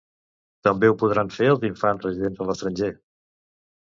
També ho podran fer els infants residents a l'estranger.